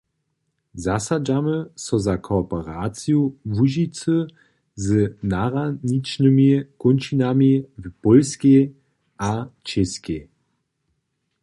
Zasadźamy so za kooperaciju Łužicy z nahraničnymi kónčinami w Pólskej a Čěskej.